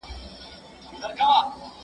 نه یې پل معلومېدی او نه یې نښه